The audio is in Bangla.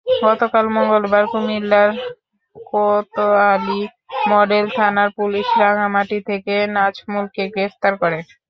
গতকাল মঙ্গলবার কুমিল্লার কোতোয়ালি মডেল থানার পুলিশ রাঙামাটি থেকে নাজমুলকে গ্রেপ্তার করে।